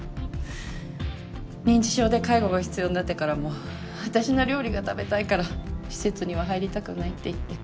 認知症で介護が必要になってからも私の料理が食べたいから施設には入りたくないって言って。